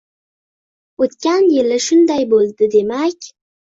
O‘tgan yil shunday bo‘ldi demak…